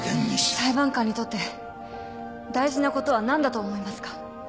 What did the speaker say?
裁判官にとって大事なことは何だと思いますか。